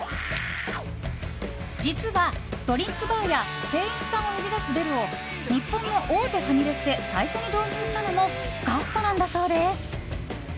実はドリンクバーや店員さんを呼び出すベルを日本の大手ファミレスで最初に導入したのもガストなんだそうです。